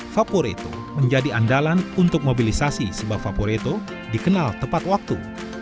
vaporeto menjadi andalan untuk mobilisasi sebab vaporeto dikenal tepat waktu